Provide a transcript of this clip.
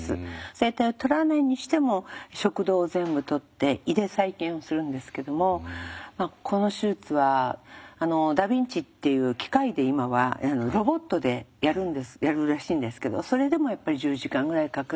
声帯を取らないにしても食道を全部取って胃で再建をするんですけどもこの手術はダヴィンチっていう機械で今はロボットでやるらしいんですけどそれでもやっぱり１０時間ぐらいかかる。